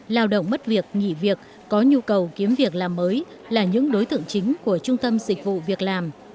lao động mất việc nghỉ việc có nhu cầu kiếm việc làm mới là những đối tượng chính của trung tâm dịch vụ việc làm